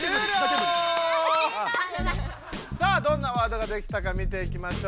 さあどんなワードができたか見ていきましょう。